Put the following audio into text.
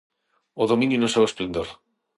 O dominio no seu esplendor.